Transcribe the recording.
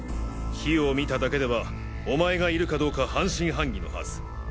火を見ただけではお前がいるかどうか半信半疑のはず。